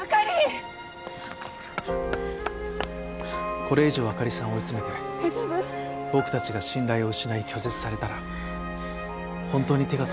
これ以上朱里さんを追い詰めて僕たちが信頼を失い拒絶されたら本当に手が届かなくなる。